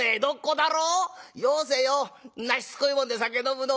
よせよんなしつこいもんで酒飲むのは。